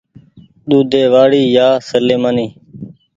ۮودي وآڙي يا سليمآني